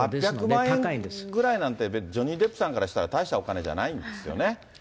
８００万円ぐらいなんて、別にジョニー・デップさんからしたら大したお金じゃないんですよね。